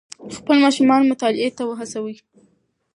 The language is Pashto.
خپل ماشومان مطالعې ته وهڅوئ.